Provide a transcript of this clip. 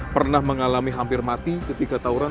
pernah mengalami hampir mati ketika tawuran